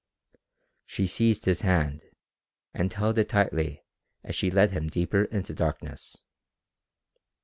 She seized his hand, and held it tightly as she led him deeper into darkness.